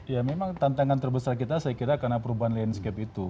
ya memang tantangan terbesar kita saya kira karena perubahan landscape itu